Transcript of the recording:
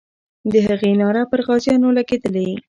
د هغې ناره پر غازیانو لګېدلې.